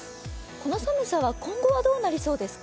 この寒さは今後はどうなりますか？